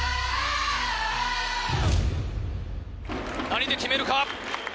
何で決めるか？